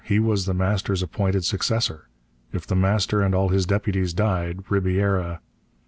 He was The Master's appointed successor. If The Master and all his deputies died, Ribiera....